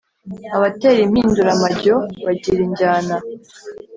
Abatera impinduramajyo bagira injyana